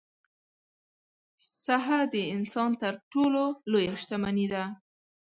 صحه د انسان تر ټولو لویه شتمني ده.